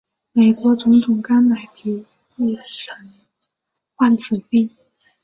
美国总统甘乃迪亦曾患此病。